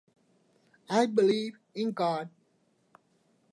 I believe in God.